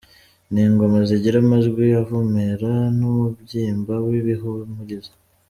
Ni ingoma zigira amajwi avumera n’Umubyimba w’Ibihumurizo.